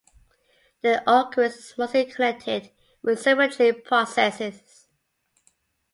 Their occurrence is mostly connected with supergene processes.